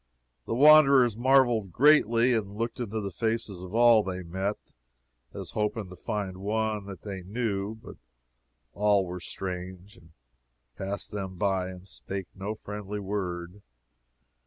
The wanderers marveled greatly, and looked into the faces of all they met, as hoping to find one that they knew; but all were strange, and passed them by and spake no friendly word.